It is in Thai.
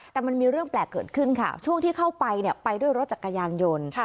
แต่มันมีเรื่องแปลกเกิดขึ้นค่ะช่วงที่เข้าไปไปด้วยรถจักรยานยนต์